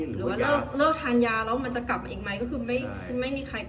หรือว่าเลิกทานยาแล้วมันจะกลับมาอีกไหมก็คือไม่มีใคร